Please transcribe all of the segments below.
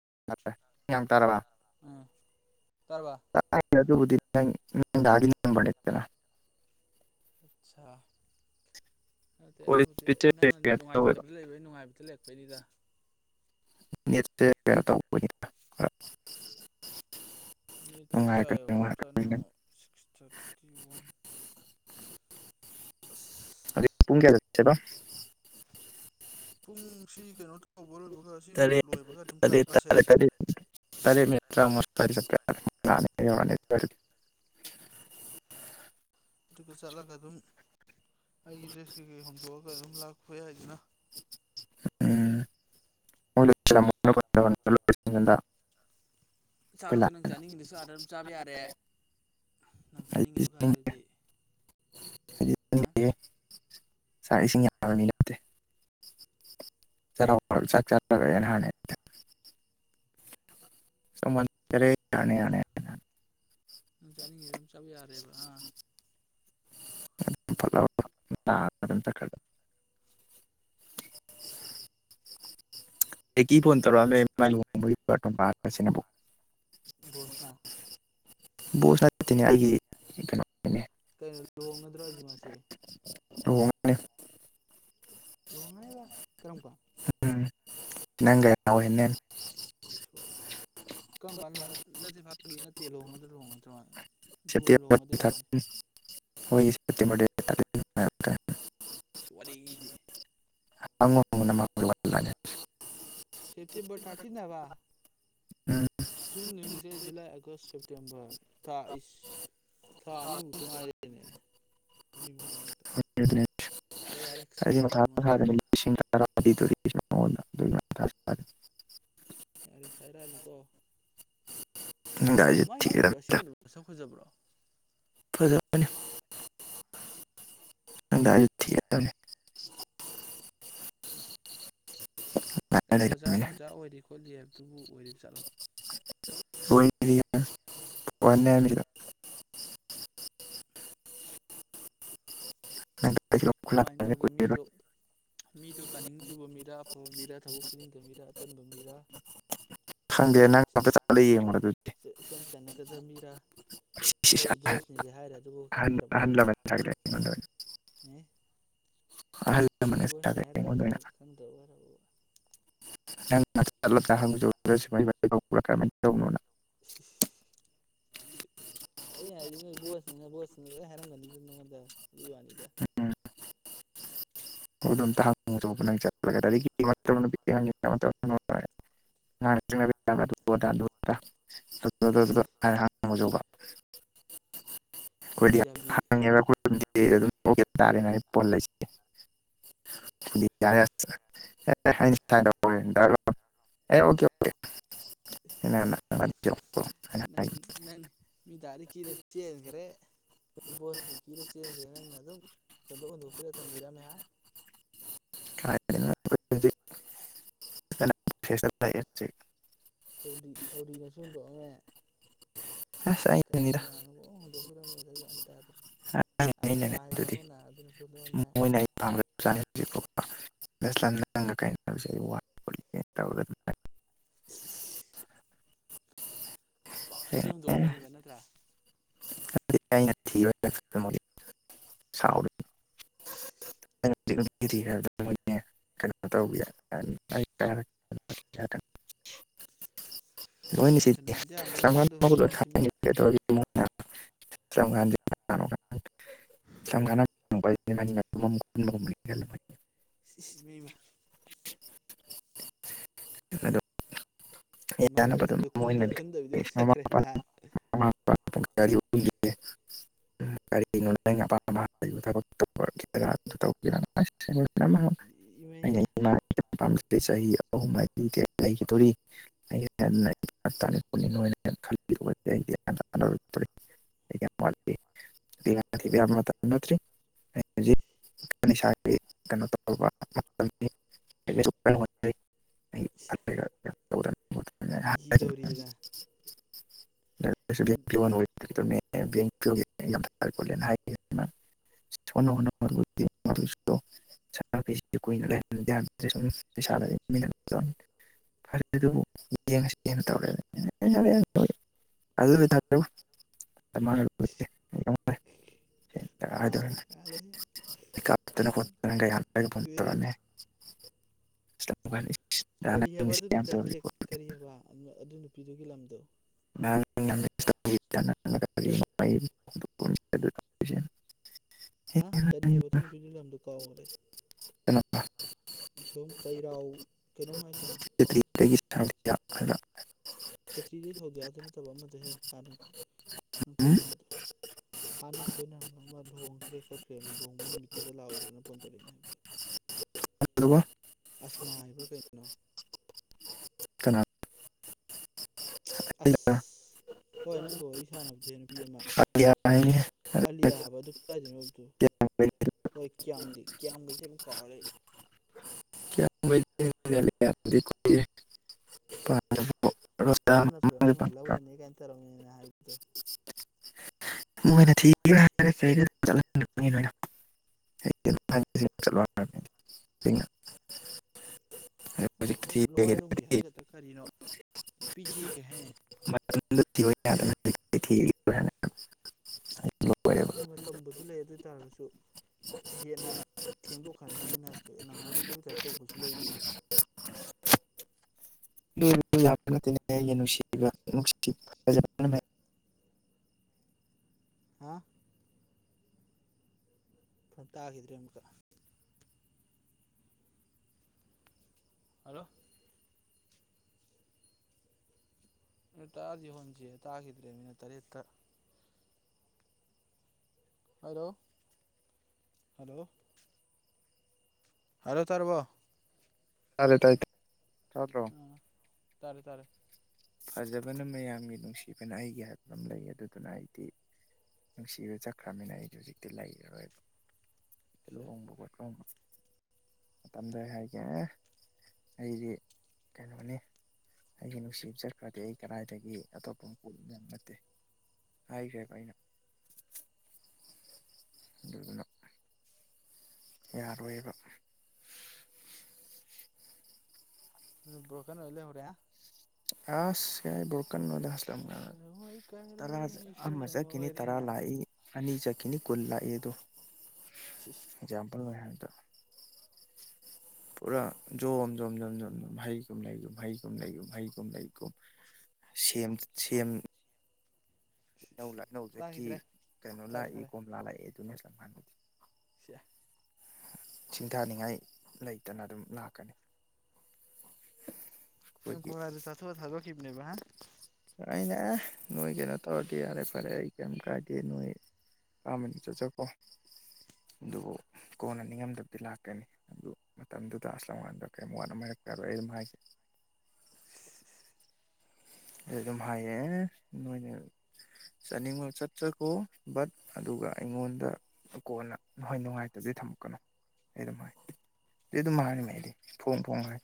ꯇꯔꯂ ꯎꯝ ꯇꯥꯔꯕ ꯅꯪ ꯅꯅꯤꯦꯅ [unintelligible] ꯑꯆꯥ ꯑꯗꯨꯠꯇꯦ ꯀꯣꯂꯦꯖ ꯑꯗꯨꯕꯨꯗꯤ ꯄꯤꯆꯔ ꯅꯪꯅ ꯀꯩꯅꯣ ꯇꯧꯋꯦꯕ ꯅꯨꯡꯉꯥꯏꯇꯕꯗꯤ ꯂꯩꯕ ꯅꯨꯡꯉꯥꯏꯕꯗ ꯂꯩꯔꯛꯄꯩꯅꯤꯗ ꯌꯦ ꯇ ꯅꯦꯠꯁꯤ ꯀꯌꯥ ꯌꯧ꯭ꯔꯕꯗꯅꯣ ꯁꯤꯛꯁ ꯊꯥꯔꯇꯤ ꯋꯥꯟ ꯑ ꯑ ꯄꯨꯡ ꯀꯌꯥ ꯆꯁꯦꯗ ꯄꯨꯡꯁꯤ ꯀꯩꯅꯣ ꯂꯣꯏꯕꯒ ꯁꯤ ꯇꯔꯦ ꯂꯣꯏꯕꯒ ꯑꯗꯨꯝ ꯇꯗꯤ ꯆꯠꯂꯁꯦ ꯇꯔꯦ ꯀꯔꯤ ꯀꯔꯤ [unintelligible] ꯑꯗꯨꯒ ꯆꯠꯂꯒ ꯑꯗꯨꯝ ꯑꯩꯒꯤ ꯗ꯭ꯔꯦꯁ ꯀꯩꯀꯩ ꯍꯣꯡꯗꯣꯛꯑꯒ ꯑꯗꯨꯝ ꯂꯥꯛꯄ ꯌꯥꯏꯗꯅ ꯎꯝ ꯑꯩꯈꯣꯏ ꯆꯥꯛꯇꯨ ꯅꯪ ꯂꯥꯛꯑꯦꯅ ꯆꯥꯅꯤꯡꯉꯤꯗꯨꯁꯨ ꯑꯥꯗꯔ ꯑꯗꯨꯝ ꯆꯥꯕ ꯌꯥꯔꯦ ꯅꯪ ꯑꯩꯗꯤ ꯆꯠꯅꯤꯡꯉꯦꯗꯨꯒ ꯍꯥꯏꯔꯗꯤ ꯑ [unintelligible] ꯆꯥꯛ ꯏꯁꯤꯡ ꯌꯥꯝꯕꯅꯤ ꯅꯠꯇꯦ ꯆꯥꯛ ꯆꯅ ꯍꯥꯟꯅ ꯁꯃꯔꯦ ꯌꯥꯅ ꯌꯥꯅꯦ ꯅꯪ ꯆꯥꯅꯤꯡꯉꯤꯗ ꯑꯗꯨꯝ ꯆꯥꯕ ꯌꯥꯔꯦꯕ ꯑꯥ ꯐꯂ ꯇ ꯀ [unintelligible] ꯐꯣꯟꯠꯇꯔꯣ ꯅꯕꯨ [unintelligible] ꯕꯣꯁꯅ ꯣꯁꯅꯦ ꯑꯩꯒꯤ ꯀꯩꯅ ꯀꯩꯅꯣ ꯂꯣꯡꯒꯗ꯭ꯔꯣꯁꯤ ꯃꯥꯁꯦ ꯔꯅꯦ ꯂꯣꯟꯅꯕ ꯀꯔꯝ ꯀ ꯎꯝ ꯅꯪꯒ ꯌꯥꯎꯋꯦꯅꯦ ꯀꯔꯝ ꯀꯥꯟꯨꯣꯡ ꯅꯠꯇꯦ ꯐ ꯅꯠꯇꯦ ꯂꯍꯣꯡꯒꯗ ꯂꯨꯣꯡꯉꯅ ꯆꯇ ꯊ ꯍ ꯍꯕ ꯇ ꯁ ꯋꯥꯔꯤ ꯏꯗꯤꯦ ꯑꯉ ꯁꯤꯇꯤꯕ ꯇꯥꯇ ꯅꯕ ꯎꯝ ꯖꯨꯟ ꯅꯖꯤꯁ ꯨꯂꯥꯏ ꯑꯒꯁ ꯁꯦꯞꯇꯦꯝꯕꯔ ꯊ ꯊꯥꯅꯤꯃꯨꯛꯇꯉꯥꯏꯔꯦꯅꯦ ꯑꯅꯤꯃꯛ ꯁꯥꯏꯔꯛꯑꯅꯨ ꯑꯩꯉꯣꯟꯗ ꯔ [unintelligible] ꯌꯥꯔ‌ꯦ ꯁꯥꯏꯔ ꯅꯨꯀ‌ꯣ ꯅꯪꯗ ꯑꯩꯁꯨ ꯃꯥꯏ ꯅꯨꯄꯤꯗꯣ ꯊꯤꯒꯗꯕꯅꯤꯗ ꯑꯁ‌ꯦꯡꯝꯕꯗ ꯃꯁꯛ ꯐꯖꯕ꯭ꯔꯣ ꯐꯖꯕꯅꯤ ꯑꯗꯥꯁꯨ ꯊꯤꯒꯗꯕꯅꯤ ꯉꯥꯏ ꯑꯩꯅ ꯑꯣꯖꯥ ꯂꯩꯔꯝꯃꯤꯅꯦ ꯅꯨꯡꯖꯥ ꯑꯣꯏꯔꯤ ꯈꯣꯠꯂꯤ ꯍꯥꯏꯕ ꯑꯗꯨꯕꯨ ꯑꯣꯏꯔꯤꯕ ꯖꯠꯂꯣ [unintelligible] ꯎꯝ [unintelligible] ꯀꯃꯥꯏꯅ ꯇꯧꯒꯦ ꯃꯤꯗꯣ ꯃꯤꯗꯣ ꯀꯥꯅꯤꯡ ꯆꯨꯕ ꯃꯤꯔ ꯑꯐꯕ ꯃꯤꯔꯥ ꯊꯕꯛ ꯁꯨꯅꯤꯡꯗꯕ ꯃꯤꯔ ꯑꯇꯟꯕ ꯃꯤꯔꯥ ꯈꯪꯗꯦ ꯅꯪ ꯑꯃꯇ ꯆꯠꯂꯤ ꯌꯦꯡꯉꯨꯔ‌ꯣ ꯑꯗꯨꯗꯤ ꯏꯆꯟ ꯆꯟꯅꯒꯗꯕ ꯃꯤꯔꯥ ꯅꯣꯏ ꯕꯣꯁꯅꯤꯗꯤ ꯍꯥꯏꯔꯦ ꯑꯗꯨꯕꯨ ꯈꯪꯗ꯭ꯔꯕ ꯑꯣꯏꯔꯦ [unintelligible] [unintelligible] ꯑꯍꯜ ꯂꯃꯟꯅ ꯅ‌ꯣꯏ ꯁꯥꯒꯠꯂꯦ ꯕ‌ꯣꯁꯅꯤ ꯍꯥꯏꯔꯒ ꯑꯩꯉꯣꯟꯗ ꯑꯣꯏꯅ ꯑꯗꯨꯕꯥꯎ ꯈꯪꯗꯥꯕ ꯇꯅꯣ [unintelligible] ꯑꯩꯅ ꯍꯥꯏꯗꯤ ꯅꯣꯏ ꯕꯣꯁꯅꯤꯅ ꯕꯣꯁꯅꯤ ꯂꯣꯏ ꯍꯥꯏꯔꯝꯒꯅꯤꯗ ꯅꯉꯣꯟꯗ ꯍꯪꯕꯩ ꯋꯥꯅꯤꯗ ꯎꯝ ꯑꯝꯇ ꯍꯪꯉꯧꯕ ꯅꯪꯉꯨꯧꯕ [unintelligible] ꯍꯥꯕꯤ ꯖꯥꯕꯤ [unintelligible] [unintelligible] [unintelligible] ꯍꯥꯏꯅ ꯅꯪ ꯍꯥꯏꯅ ꯅꯪ ꯃꯤ ꯇꯔꯗꯤ ꯀꯤꯔ ꯆꯦꯟꯈ꯭ꯔꯦ ꯕꯣꯁ ꯀꯤꯔ ꯆꯦꯟꯈ꯭ꯔꯦ ꯅꯪꯅ ꯑꯗꯨꯝ ꯍꯨꯟꯗ‌ꯣꯛ ꯍꯨꯟꯗ‌ꯣꯛ ꯄꯤꯔ ꯊꯝꯕꯤꯔꯃꯦ ꯀ [unintelligible] ꯁꯥꯎꯗꯤ ꯁꯥꯎꯗꯤꯅꯁꯨ ꯍꯨꯟꯗꯣꯛ ꯑꯝꯃꯦ ꯑꯁ ꯀꯅꯥ ꯑꯩꯅꯅꯤ ꯀꯅꯥꯅ‌ꯣ ꯄꯨꯡꯍꯨꯟ ꯍꯨꯟꯗ‌ꯣꯛꯄꯤꯔꯝꯃ‌ꯦꯗ ꯃꯤ ꯃꯌꯥꯝ ꯑꯃꯥ ꯑꯩ ꯑꯁꯃ ꯂꯩꯅ ꯍꯥꯏꯕꯔ ꯑꯗꯨꯗꯤ ꯑꯃ ꯅꯥꯏ ꯑꯗꯨꯗꯅꯁꯨ ꯃꯣꯏꯅ ꯑꯩ [unintelligible] ꯁꯤꯁ ꯄꯥꯃꯟꯗ ꯑꯗꯨꯃꯥꯏꯅ ꯍꯨꯟꯗꯣꯛꯑꯝꯃꯤꯕ ꯅꯠꯇ꯭ꯔꯥ [unintelligible] ꯁꯤꯁ [unintelligible] ꯅꯨꯄꯤ ꯐꯅꯌꯥꯝꯗꯤ ꯌꯥꯝꯃꯅꯤ ꯑꯩꯉꯣꯟꯗ ꯍꯨꯟꯗꯣꯛꯑꯝꯃꯤꯁꯤ ꯃꯤꯅ [unintelligible] [unintelligible] ꯁꯤꯁ ꯃꯤ ꯑꯃꯥ ꯑꯗꯣ [unintelligible] ꯌꯥꯅꯕ ꯑꯗꯨꯝ ꯃꯣꯏꯅ [unintelligible] ꯃꯃꯥ ꯃꯄꯥ ꯆꯈ꯭ꯔꯦꯕ ꯍꯥ [unintelligible] [unintelligible] ꯏꯃꯩꯅ ꯆꯍꯤ ꯑꯍꯨꯝ ꯂꯩꯈꯤꯗꯣꯔꯤ ꯑꯩ ꯇꯅꯤꯄꯅꯤ ꯈꯗꯤ ꯔꯤ ꯎꯔ ꯄꯤ ꯖꯤ ꯇꯧꯔꯤꯗ ꯑ ꯑꯣꯏ ꯕꯦꯡ ꯊ ꯈꯣꯂꯦꯅ ꯍꯥꯏꯈꯤꯅ ꯁ ꯍꯣ ꯀꯨꯏꯅ ꯂꯩꯟ ꯁꯨꯝ ꯄꯩꯁꯥ ꯐꯦ ꯑꯗꯨꯕꯨ ꯌꯦꯡꯉ ꯇꯧꯔꯦ ꯑ ꯊ ꯃꯥꯜꯂꯦꯍꯦ ꯃꯥꯜꯂꯦꯍꯦ ꯑꯦ ꯅꯅꯒꯟꯔꯅꯦ ꯁꯅꯤ ꯀꯔꯤ ꯍꯥꯏꯕ ꯑꯗꯨꯗ ꯀꯔꯤ ꯍꯥꯏꯕ ꯑꯗꯨ ꯅꯨꯄꯤꯗꯨꯒꯤ ꯂꯝꯗꯣ ꯑꯗꯨꯒ ꯍꯥ ꯀꯔꯤ ꯍꯥꯏꯕ ꯑꯗꯨ ꯄꯗꯤ ꯂꯝꯗꯣ ꯀꯥꯎꯈꯔꯦ ꯁꯨꯝ ꯀꯩꯔꯥꯎ ꯀꯩꯅꯣꯝ ꯍꯥꯏꯁꯤꯅꯦ ꯁꯥꯕꯤ ꯈꯦꯇ꯭ꯔꯤꯗꯩ ꯍꯧꯗꯗꯤ ꯌꯥꯗ ꯅꯠꯇꯕ ꯑꯃ [unintelligible] ꯂꯣꯡꯗꯦ ꯂꯨꯍꯕ ꯅꯨꯃꯤꯠꯇꯗ ꯂꯥꯛꯑꯣꯗ꯭ꯔꯅ ꯐꯣꯟ ꯇꯧꯔꯛꯏꯅꯦ ꯍꯥꯏꯕ ꯑꯁꯃꯥ ꯍꯥꯏꯕ꯭ꯔꯥ ꯀꯩꯅꯣ ꯀꯅꯥ ꯑꯁ ꯍꯣꯏ ꯅꯪꯒ ꯋꯥꯔꯤ ꯁꯥꯟꯅꯕꯗꯦ ꯑꯦ ꯍꯥꯏꯕ ꯑꯗꯨ [inaudible] ꯍꯣꯏ ꯀ ꯀꯌꯥꯁ ꯀ ꯀ [unintelligible] ꯑꯗꯨ ꯅꯠꯇ꯭ꯔꯣ ꯅꯪꯅ ꯂꯧꯔꯅꯤ ꯀꯥꯏꯅ ꯇꯧꯔꯝꯅꯤꯅ ꯍꯥꯏꯕꯗꯣ ꯃꯅ ꯊꯤ ꯍꯥꯏ ꯍꯣꯏ ꯁꯨꯝ ꯂꯋꯥꯏꯔꯣꯝꯒꯤ ꯊꯤꯕꯒꯤꯗꯤ ꯍꯥꯏꯒꯗ꯭ꯔꯥ ꯀꯔꯤꯅꯣ ꯅꯨꯄꯤꯁꯤ ꯀꯩ ꯍꯥꯏꯅꯤ ꯍꯣꯏ ꯍ ꯍ ꯊ ꯃꯥꯇꯝꯕꯨꯗꯤ ꯂꯩ ꯑꯗꯨꯑꯣꯏ ꯇꯥꯔꯒꯁꯨ ꯍꯦꯟꯅ ꯊꯦꯡꯗꯣꯛꯈ꯭ꯔꯅꯤ ꯍꯦꯟꯅ ꯅꯪꯍꯧꯔꯣꯏꯗꯕꯊ ꯇꯧꯕꯁꯨ ꯂꯩꯔꯦꯕ ꯌꯥꯝ ꯅꯨꯡꯁꯤ ꯅꯨꯡꯁꯤ ꯍꯥ ꯈꫭꯟ ꯇꯥꯈꯤꯗ꯭ꯔꯦ ꯑꯃꯨꯛꯀꯛ ꯍꯂꯣ ꯇꯥꯔꯁꯤ ꯍꯣꯟꯁꯤ ꯇꯥꯈꯤꯗ꯭ꯔꯦ ꯃꯤꯅ ꯇꯔꯦꯠꯠꯇ ꯍꯂꯣ ꯍꯂꯣ ꯍꯜꯂꯣ ꯇꯥꯔꯔꯕꯣ ꯇꯔꯦ ꯇꯥꯔꯦ ꯎꯝ ꯇꯔꯦ ꯇꯔꯦ ꯐꯖꯕꯅ ꯃꯌꯥꯝꯒꯤ ꯅꯨꯡꯁꯤꯕꯅ ꯑꯩꯒꯤ ꯍꯥꯏꯕꯗꯨ ꯑꯃ ꯂꯩ ꯑꯗꯨꯗꯨꯅ ꯑꯩꯗꯤ ꯅꯨꯡꯁꯤꯕ ꯆꯠꯈ꯭ꯔꯕꯅꯤꯅ ꯑꯩꯗꯤ ꯍꯧꯖꯤꯛꯇꯤ ꯂꯩꯔꯔꯣꯏꯕ ꯂꯨꯍꫭꯡꯕ ꯑꯈꫭꯏ ꯀꯥꯎꯅꯨ ꯇꯝꯗꯩ ꯍꯥꯏꯒꯦ ꯑꯩꯗꯤ ꯀꯩꯅꯣꯅꯤ ꯑꯩꯒꯤ ꯅꯨꯡꯁꯤꯕ ꯆꯠꯈ꯭ꯔꯗꯤ ꯑꯩ ꯀꯗꯥꯏꯗꯒꯤ ꯑꯇꯣꯞꯄ ꯑꯃꯄꯕ ꯌꯥꯝ ꯅꯠꯇꯦ ꯍꯥꯏꯈ꯭ꯔꯦꯕ ꯑꯩꯅ ꯑꯗꯨꯅ ꯌꯥꯔꯣꯏꯕ [unintelligible] ꯑꯩ ꯂꯩꯍꯧꯔꯦ ꯑꯁ ꯀꯔꯥꯏ ꯕꯔꯣꯀꯟ ꯅꯣꯗ ꯍꯣꯏ ꯀꯥꯏꯔꯕ ꯃꯤꯁꯛ ꯑꯃ ꯆꯠꯈꯤꯅꯤ ꯇꯔꯥ ꯑꯣꯏꯔꯦꯅ ꯂꯥꯛꯏ ꯑꯅꯤ ꯆ ꯀꯨꯟ ꯂꯥꯛꯑꯗꯣ ꯁꯤ ꯃꯣꯏꯅ ꯍꯥꯏꯕꯗꯨ ꯇꯧ ꯄꯨꯔꯥ ꯖꯣꯝ ꯖꯣꯝ ꯖꯣꯝ ꯖꯣꯝ ꯖꯣꯝ ꯍꯩꯒꯨꯝ ꯂꯩꯒꯨꯝ ꯍꯩꯒꯨꯝ ꯂꯩꯒꯨꯝ ꯍꯩꯒꯨꯝ ꯂꯩꯒꯨꯝ ꯁꯦꯝ ꯁꯦꯝ ꯍꯩꯅꯧ ꯂꯥꯛꯅꯧ ꯆꯠꯈꯤ ꯇꯥꯈꯤꯗ꯭ꯔꯦ ꯀꯩꯅꯣ ꯇꯥꯔꯦ ꯂꯥꯛꯏ ꯀꯣꯝꯂꯥ ꯂꯥꯛꯑꯦ ꯑꯗꯨꯅꯁ ꯃꯥꯥꯟ ꯁꯦ ꯁꯤꯡꯊꯥꯅꯤꯡꯉꯥꯏ ꯂꯩꯇꯅ ꯑꯗꯨꯝ ꯂꯥꯛꯀꯅꯤ ꯁꯦꯝ ꯑꯩꯈꯣꯏꯒꯤ ꯀꯣꯝꯂꯥꯗꯨ ꯆꯥꯊꯣꯛꯑ ꯊꯥꯗꯣꯛꯈꯤꯕꯅꯦꯕ ꯀꯥꯏꯅ ꯅꯣꯏꯒꯤꯅꯠꯇꯧ ꯇꯧꯗꯤ ꯌꯥꯔꯦ ꯐꯔꯦ ꯑꯩ ꯀꯔꯤꯝ ꯀꯥꯏꯗꯦ ꯅꯣꯏ ꯑꯄꯥꯝꯕꯅꯤ ꯆꯠꯆꯀꯣ ꯑꯗꯨꯕꯨ ꯀꯣꯟꯅ ꯅꯤꯡꯉꯝꯗꯕꯗꯤ ꯂꯥꯛꯀꯅꯤ ꯑꯗꯨ ꯃꯇꯝꯗꯨꯗ ꯑꯁꯉꯥꯟꯗ ꯀꯔꯤꯝ ꯋꯥꯠꯅ ꯍꯥꯏꯔꯛꯀꯔꯣꯏ ꯑꯩ ꯃꯥꯒꯤ ꯑꯩ ꯑꯗꯨꯝ ꯍꯥꯏꯌꯦ ꯅꯣꯏꯅ ꯆꯠꯅꯤꯡꯕ ꯆꯠꯆꯈꯣ ꯕꯠ ꯑꯗꯨꯒ ꯑꯩꯉꯣꯟꯗ ꯀꯣꯟꯅ ꯅꯣꯏ ꯅꯨꯡꯉꯥꯏꯇꯕꯗꯤ ꯊꯝꯃꯛꯀꯅꯨ ꯑꯩ ꯑꯗꯨꯝ ꯍꯥꯏ ꯑꯗꯨ ꯑꯗꯨꯝ ꯍꯥꯏꯔꯝꯃꯦ ꯑꯩꯗꯤ ꯐꯣꯡ ꯐꯣꯡ ꯍꯥꯏ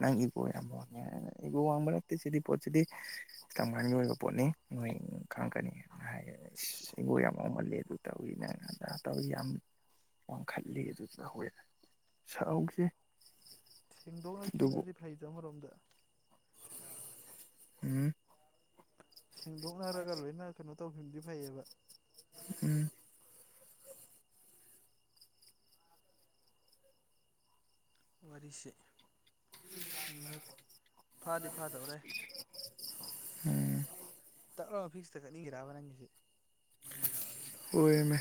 ꯅꯪ ꯏꯒꯣ ꯌꯥꯝꯋꯥꯡꯉꯦ ꯍꯥꯏꯔꯒ ꯏꯒꯣ ꯋꯥꯡꯕ ꯅꯠꯇꯦ ꯁꯤꯒꯤ ꯄꯣꯠꯁꯤꯗꯤ ꯇꯉꯟꯒꯤ ꯑꯣꯏꯕ ꯄꯣꯠꯅꯤ ꯅꯣꯏ ꯈꯪꯉꯛꯀꯅꯤ ꯍꯥꯏꯅ ꯍꯥꯏꯌꯦ ꯏꯒꯣ ꯌꯥꯝ ꯋꯥꯡꯃꯜꯂꯦ ꯑꯗꯨ ꯇꯧꯏꯤ ꯅꯪ ꯇꯧꯏ ꯌꯥꯝ ꯋꯥꯡꯈꯠꯂꯤ ꯑꯗꯨ ꯇꯧꯋꯦ ꯁꯥꯎꯈꯤꯁꯦ ꯁꯦꯡꯗꯣꯛꯅꯈꯤꯕꯅꯗꯤ ꯐꯩ ꯑꯃꯔꯣꯝꯗ ꯎꯝ ꯁꯦꯡꯗꯣꯛꯅꯔꯒ ꯂꯣꯏꯅ ꯀꯩꯅꯣ ꯇꯧꯈꯤꯕꯗꯤ ꯐꯩꯌꯦꯕ ꯎꯝ ꯋꯥꯔꯤꯁꯦ ꯐꯥꯗꯤ ꯐꯥꯗꯧꯔꯦ ꯎꯝ ꯇꯛꯂꯥꯎꯅ ꯐꯤꯛꯁꯇ ꯆꯠꯅꯤꯡꯉꯤꯔꯕ ꯅꯪꯒꯤꯁꯦ ꯑꯣꯏꯃꯦ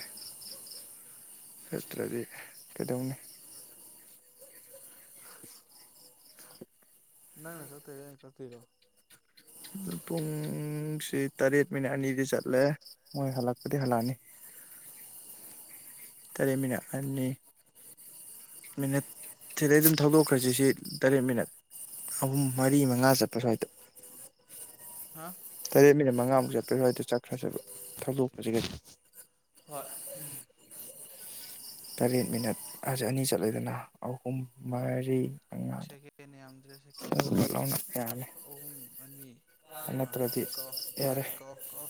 ꯐꯠꯇ꯭ꯔꯗꯤ ꯀꯩꯗꯧꯅꯤ ꯅꯪꯅ ꯀꯛꯇꯣꯏꯔ ꯑꯩꯅ ꯀꯛꯇꯣꯏꯔꯣ ꯄꯨꯡꯁꯤ ꯇꯔꯦꯠ ꯃꯤꯅꯠ ꯑꯅꯤꯗꯤ ꯆꯠꯂꯦ ꯃꯣꯏ ꯍꯜꯂꯛꯄꯗꯤ ꯍꯜꯂꯛꯑꯅꯤ ꯇꯔꯦꯠ ꯃꯤꯅꯠ ꯑꯅꯤ ꯃꯤꯅꯠ ꯁꯤꯗꯩ ꯑꯗꯨꯝ ꯊꯧꯗꯣꯛꯈ꯭ꯔꯁꯤ ꯁꯤ ꯇꯔꯦꯠ ꯃꯤꯅꯠ ꯑꯍꯨꯝ ꯃꯔꯤ ꯃꯉꯥ ꯆꯠꯄ ꯁ꯭ꯋꯥꯏꯗꯣ ꯍꯥ ꯇꯔꯦꯠ ꯃꯤꯅꯤꯠ ꯃꯉꯥꯃꯨꯛ ꯆꯠꯄ ꯁꯨꯋꯥꯏꯗ ꯆꯠꯈ꯭ꯔꯁꯦꯕ ꯊꯧꯗꯣꯛꯈ꯭ꯔꯁꯤ ꯒꯥꯔꯤ ꯍꯣꯏ ꯎꯝ ꯇꯔꯦꯠ ꯃꯤꯅꯠ ꯑꯁꯤ ꯑꯅꯤ ꯆꯠꯂꯡꯂꯦꯗꯅ ꯑꯍꯨꯝ ꯃꯔꯤ ꯃꯉꯥꯗ ꯁꯦꯀꯦꯟ ꯌꯥꯝ ꯗꯦ ꯁꯦꯀꯦꯟ ꯐꯠ ꯂꯥꯎꯅ ꯌꯥꯔꯅꯤ ꯑꯍꯨꯝ ꯑꯅꯤ ꯑꯃ ꯅꯠꯇ꯭ꯔꯗꯤ ꯀꯛꯑꯣ ꯌꯥꯔꯦ ꯀꯛꯑꯣ ꯀꯛꯑꯣ